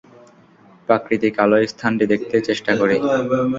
প্রাকৃতিক আলোয় স্থানটি দেখতে চেষ্টা করি।